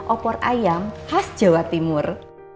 opor ayam khas jawa timur